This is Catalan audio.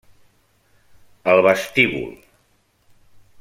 El vestíbul.